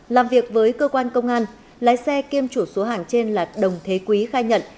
làm việc với cơ quan công an lái xe kiêm chủ số hàng trên là đồng thế quý khai nhận